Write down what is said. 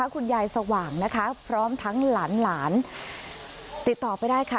คุณยายสว่ำพร้อมทั้งหลานติดต่อไปได้ค่ะ